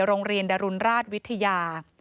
โรงเรียนดรุณราชวิทยา